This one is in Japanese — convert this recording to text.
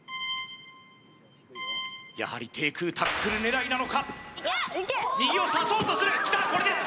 やはり低空タックル狙いなのか右を差そうとするきたこれです